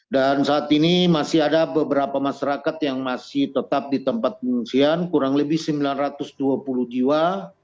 dan saat ini masih ada beberapa masyarakat yang masih tetap di tempat pengungsian kurang lebih sembilan ratus dua puluh jiwa